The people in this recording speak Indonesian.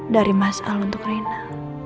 dari mas al untuk rena